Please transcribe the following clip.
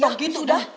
ya gitu dah